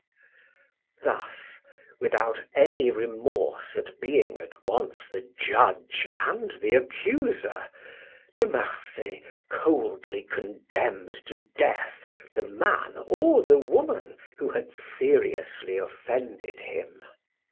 Thus, without any remorse at being at once the judge and the accuser, De Marsay coldly condemned to death the man or the woman who had seriously offended him.